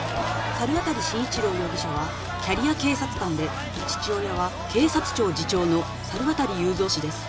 猿渡紳一郎容疑者はキャリア警察官で父親は警察庁次長の猿渡雄三氏です